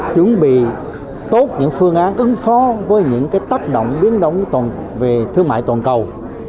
chuẩn bị tốt những phương án ứng phó với những tác động biến động về thương mại toàn cầu